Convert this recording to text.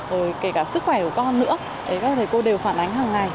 rồi kể cả sức khỏe của con nữa các thầy cô đều phản ánh hằng ngày